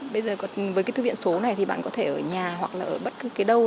bây giờ với cái thư viện số này thì bạn có thể ở nhà hoặc là ở bất cứ cái đâu